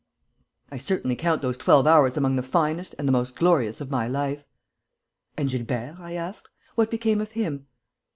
I certainly count those twelve hours among the finest and the most glorious of my life." "And Gilbert?" I asked. "What became of him?"